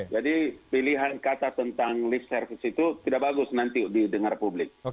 jadi pilihan kata tentang lip service itu tidak bagus nanti didengar publik